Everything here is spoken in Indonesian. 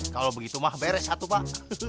kalau begitu mah beres satu pak